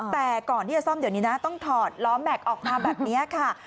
แต่ก่อนที่จะซ่อมเดี๋ยวนี้นะต้องถอดล้อแม็กซ์ออกมาแบบนี้ค่ะ